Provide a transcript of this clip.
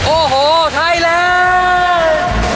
โอ้โหไทยแลนด์